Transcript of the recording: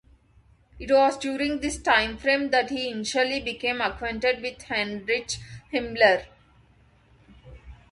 It was during this timeframe that he initially became acquainted with Heinrich Himmler.